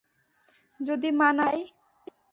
যদি মানা করে দেই?